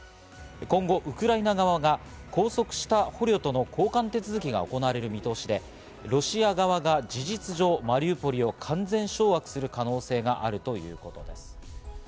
今後ウクライナ側が拘束した捕虜との交換手続きが行われる見通しで、ロシア側が事実上マリウポリを完全掌握する可能性があるということです。